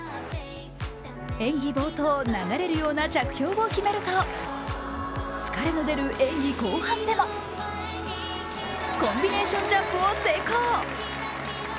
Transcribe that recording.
演技冒頭、流れるような着氷を決めると疲れの出る演技後半でもコンビネーションジャンプを成功。